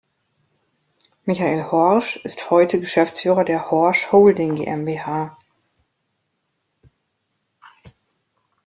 Michael Horsch ist heute Geschäftsführer der Horsch Holding GmbH.